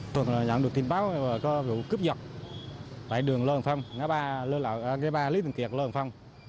thường là nhận được tin báo về vụ cướp giật tại đường lơ hồng phong ngay ba lý tường kiệt lơ hồng phong